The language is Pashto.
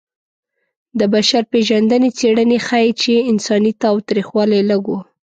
د بشر پېژندنې څېړنې ښيي چې انساني تاوتریخوالی لږ و.